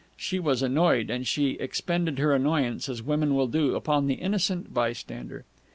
She was annoyed, and she expended her annoyance, as women will do, upon the innocent bystander.